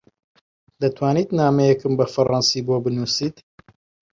دەتوانیت نامەیەکم بە فەڕەنسی بۆ بنووسیت؟